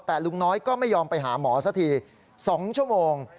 แต่ลุงน้อยก็ไม่ยอมไปหาหมอสักที๒ชั่วโมง